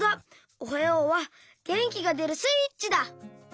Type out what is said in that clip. おはようはげんきがでるスイッチだ。